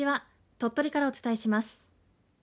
鳥取からお伝えします。